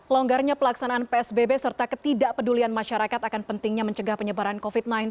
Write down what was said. longgarnya pelaksanaan psbb serta ketidakpedulian masyarakat akan pentingnya mencegah penyebaran covid sembilan belas